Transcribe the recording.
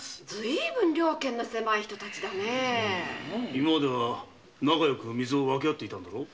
今までは仲よく水を分け合っていたんだろ？